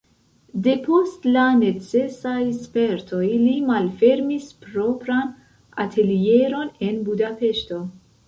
Depost la necesaj spertoj li malfermis propran atelieron en Budapeŝto.